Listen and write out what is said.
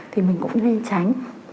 thì mình cũng nên tránh